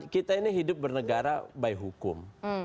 kita ini hidup bernegara by hukum